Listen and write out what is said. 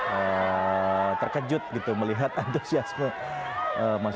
mereka terkejut gitu melihat antusiasme masyarakat